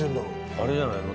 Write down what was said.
あれじゃないの？